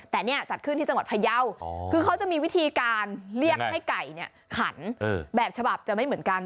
แต่เนี่ยจัดขึ้นที่จังหวัดพยาวคือเขาจะมีวิธีการเรียกให้ไก่เนี่ยขันแบบฉบับจะไม่เหมือนกัน